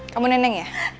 kamu neneng ya